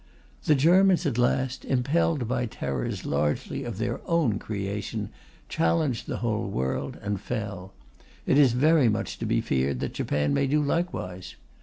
The Germans at last, impelled by terrors largely of their own creation, challenged the whole world, and fell; it is very much to be feared that Japan may do likewise.